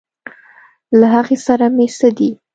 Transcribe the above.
له هغې سره مې څه دي.